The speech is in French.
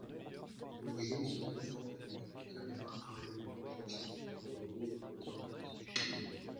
Le jeu se présente avec une caméra arrière plongeante, dans le dos du quarterback.